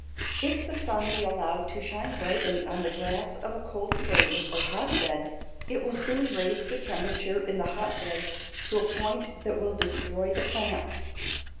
= If the sun be allowed to shine brightly on the glass of a cold frame or hotbed, it will soon raise the temperature in the hotbed to a point that will destroy the plants.